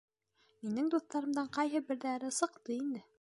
Минең дуҫтарымдың ҡайһы берҙәре сыҡты инде!